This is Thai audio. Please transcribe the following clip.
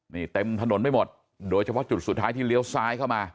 นี่เต็มถนนไปหมดโดยเฉพาะจุดสุดท้ายที่เลี้ยวซ้ายเข้ามา